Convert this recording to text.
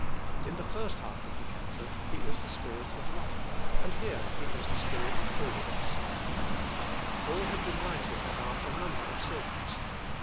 In the first half of the chapter He is the Spirit of love, here He is the Spirit of holiness, 68 th:^ spirituai, life. Paul had been writing* about a number of sins.